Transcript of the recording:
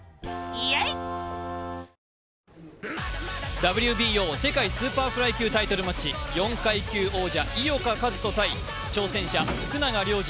ＷＢＯ世界スーパーフライ級タイトルマッチ、４階級王者井岡一翔対、挑戦者、福永亮次。